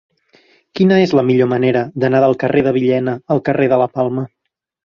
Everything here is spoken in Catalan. Quina és la millor manera d'anar del carrer de Villena al carrer de la Palma?